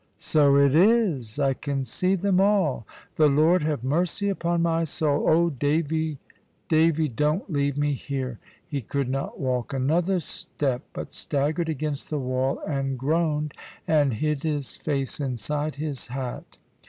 "So it is! I can see them all. The Lord have mercy upon my soul! Oh Davy, Davy! don't leave me here." He could not walk another step, but staggered against the wall and groaned, and hid his face inside his hat.